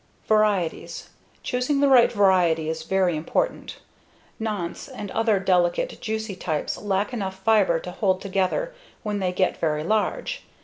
Varieties: Choosing the right variety is very important. Nantes and other delicate, juicy types lack enough fiber to hold together when they get very large.